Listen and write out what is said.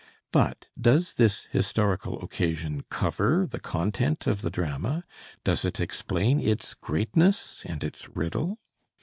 But does this historical occasion cover the content of the drama, does it explain its greatness and its riddle?